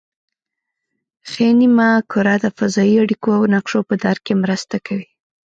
ښي نیمه کره د فضایي اړیکو او نقشو په درک کې مرسته کوي